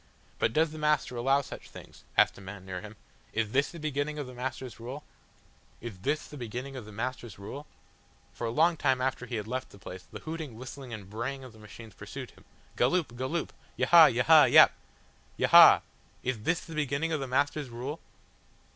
"But does the Master allow such things?" asked a man near him. "Is this the beginning of the Master's rule?" Is this the beginning of the Master's rule? For a long time after he had left the place, the hooting, whistling and braying of the machines pursued him; "Galloop, Galloop," "Yahahah, Yaha, Yap! Yaha!" Is this the beginning of the Master's rule?